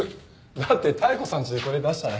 だって妙子さんちでこれ出したら変でしょ？